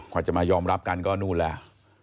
พ่อจะมายอมรับกันก็นู้นแล้ว